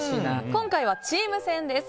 今回はチーム戦です。